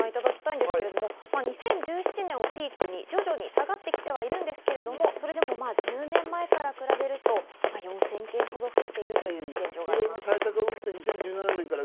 ２０１７年をピークに徐々に下がってきてはいるんですけれども、それでも１０年前から比べると４０００件ほど増えている現状があります。